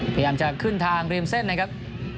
พยายามจะขึ้นทางริมเส้นนะครับ